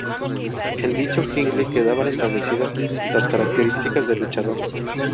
En dicho jingle quedaban establecidas las características del luchador.